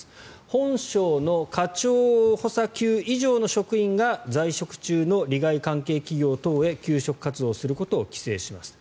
本省の課長補佐級以上の職員が在職中の利害関係企業等へ求職活動することを規制しますと。